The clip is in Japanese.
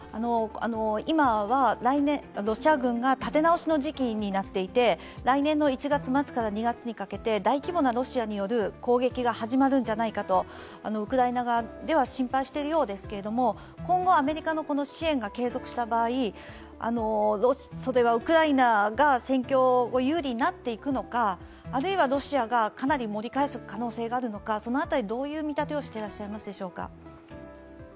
今はロシア軍が立て直しの時期になっていて来年の１月末から２月にかけて大規模なロシアによる攻撃が始まるんじゃないかとウクライナ側では心配しているようですけれども今後アメリカの支援が継続した場合、それはウクライナが戦況が有利になっていくのかあるいはロシアがかなり盛り返す可能性があるのかその辺り、どういう見立てをしていらっしゃいますでしょうか？